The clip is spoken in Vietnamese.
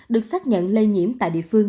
được xác nhận lây nhiễm tại địa phương